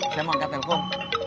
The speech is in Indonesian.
saya mau angkat telkom